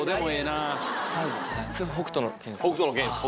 『北斗の拳』ですか？